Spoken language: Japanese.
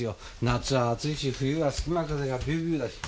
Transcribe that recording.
夏は暑いし冬は隙間風がビュービューだし。